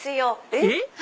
えっ？